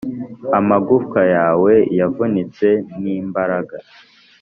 amagufwa yawe yavunitse n'imbaraga